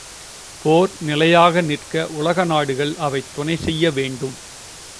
போர் நிலையாக நிற்க உலக நாடுகள் அவை துணை செய்ய வேண்டும்.